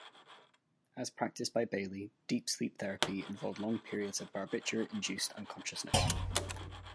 As practised by Bailey, deep sleep therapy involved long periods of barbiturate-induced unconsciousness.